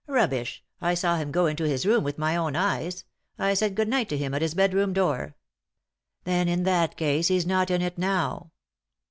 " Rubbish I I saw him go into his room with my own eyes. I said ' good night ' to him at his bedroom door." "Then, in that case, he's not in it now."